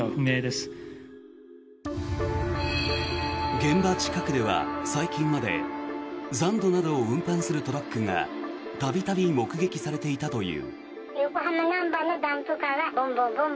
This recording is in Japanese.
現場近くでは最近まで残土などを運搬するトラックが度々、目撃されていたという。